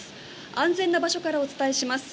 安全な場所からお伝えします。